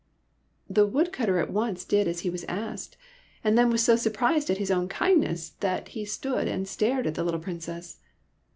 The woodcutter at once did as he was asked, and then was so surprised at his own kind ness that he stood and stared at the little Princess.